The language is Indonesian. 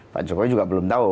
pak jokowi juga belum tahu